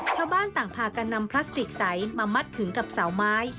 ชาวบ้านต่างพากันนำพลาสติกใสมามัดขึงกับเสาไม้